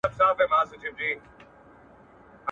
امیر دوست محمد خان بیرته له هندوستان نه راغی.